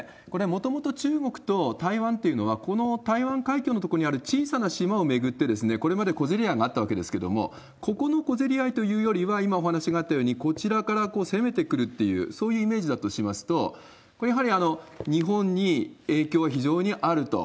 もともと中国と台湾っていうのは、この台湾海峡の所にある小さな島を巡ってこれまで小競り合いがあったわけですけれども、ここの小競り合いというよりは、今お話があったように、こちらから攻めてくるっていう、そういうイメージだとしますと、これ、やはり日本に影響は非常にあると。